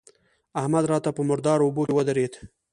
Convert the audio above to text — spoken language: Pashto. احمد راته په مردارو اوبو کې ودرېد.